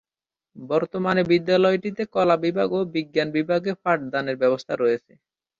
বর্তমানে বিদ্যালয়টিতে কলা বিভাগ ও বিজ্ঞান বিভাগে পাঠ দানের ব্যবস্থা রয়েছে।